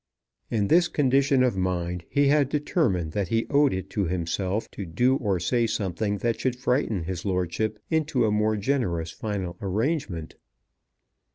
In this condition of mind, he had determined that he owed it to himself to do or say something that should frighten his lordship into a more generous final arrangement.